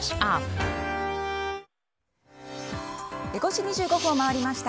５時２５分を回りました。